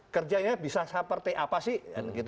kerjanya bisa seperti apa sih